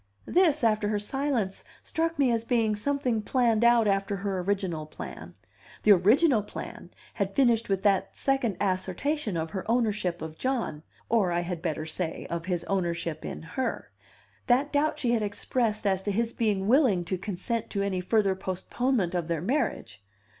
This, after her silence, struck me as being something planned out after her original plan. The original plan had finished with that second assertion of her ownership of John (or, I had better say, of his ownership in her), that doubt she had expressed as to his being willing to consent to any further postponement of their marriage.